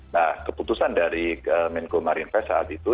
nah keputusan dari menko marine test saat itu